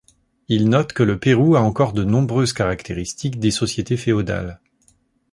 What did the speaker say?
Il note que le Pérou a encore de nombreuses caractéristiques des sociétés féodales.